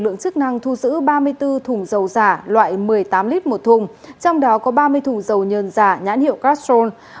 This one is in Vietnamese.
nguyễn văn hùng đã giữ ba mươi bốn thùng dầu giả loại một mươi tám lít một thùng trong đó có ba mươi thùng dầu nhân giả nhãn hiệu castrol